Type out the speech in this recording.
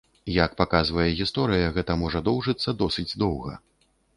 Як паказвае гісторыя, гэта можа доўжыцца досыць доўга.